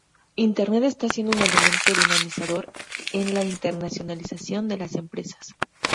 Internet está siendo un elemento dinamizador en la internacionalización de las empresas.